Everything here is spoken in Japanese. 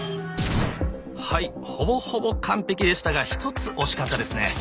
はいほぼほぼ完璧でしたが１つ惜しかったですね！